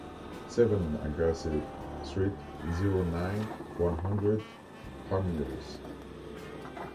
Seven, Agasse street, zero nine, one hundred, Pamiers